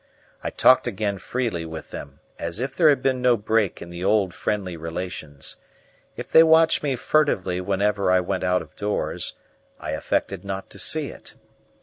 I talked again freely with them, as if there had been no break in the old friendly relations. If they watched me furtively whenever I went out of doors, I affected not to see it.